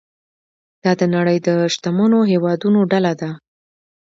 دا د نړۍ د شتمنو هیوادونو ډله ده.